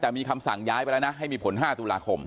แต่มีคำสั่งย้ายไปแล้วนะให้มีผล๕ตุลาคม